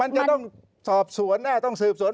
มันจะต้องสอบสวนแน่ต้องสืบสวน